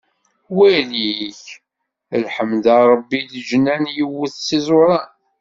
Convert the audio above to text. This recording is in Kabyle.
Wali-k lḥemd a Ṛebbi, leǧnan yewwet s iẓuran.